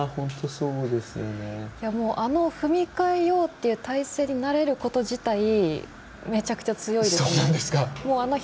あの踏み変えようっていう体勢になれること自体めちゃくちゃ強いですね。